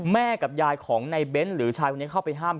แม่กับยายของในเบ้นหรือชายคนนี้เข้าไปห้าม